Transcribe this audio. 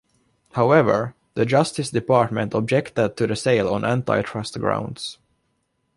However, the Justice Department objected to the sale on anti-trust grounds.